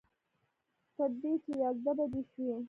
تر دې چې یازده بجې شوې.